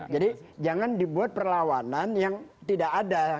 jadi jangan dibuat perlawanan yang tidak ada